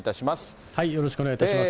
よろしくお願いします。